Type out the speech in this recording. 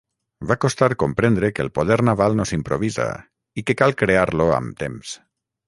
Va costar comprendre que el Poder Naval no s'improvisa i que cal crear-lo amb temps.